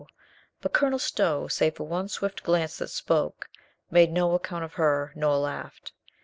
But Colonel Stow, save for one swift glance that spoke, made no account of her, nor laughed.